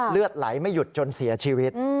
เลือดไหลไม่หยุดจนเสียชีวิต